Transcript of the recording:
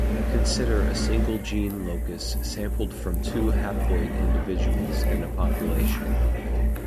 Consider a single gene locus sampled from two haploid individuals in a population.